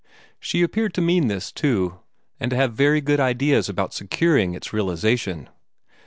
She appeared to mean this, too, and to have very good ideas about securing its realization.